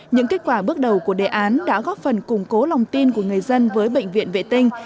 những kết quả bước đầu của đề án đã góp phần củng cố lòng tin của người dân với bệnh viện vệ tinh